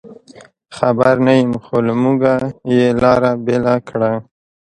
خبر نه یم، خو له موږه یې لار بېله کړه.